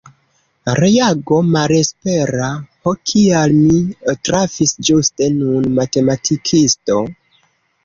Reago malespera: Ho kial mi trafis ĝuste nun matematikiston?